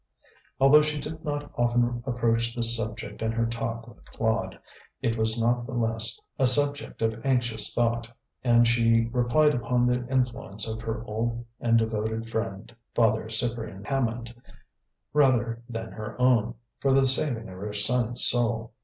Although she did not often approach this subject in her talk with Claude, it was not the less a subject of anxious thought; and she relied on the influence of her old and devoted friend, Father Cyprian Hammond, rather than her own, for the saving of her son's soul.